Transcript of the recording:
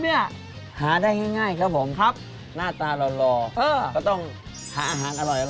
เพื่อหาได้ง่ายครับผมครับหน้าตาหล่อก็ต้องหาอาหารอร่อย